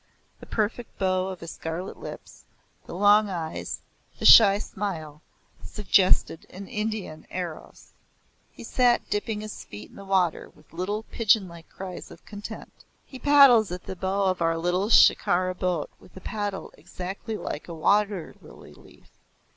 The perfect bow of the scarlet lips, the long eyes, the shy smile, suggested an Indian Eros. He sat dipping his feet in the water with little pigeon like cries of content. "He paddles at the bow of our little shikara boat with a paddle exactly like a water lily leaf.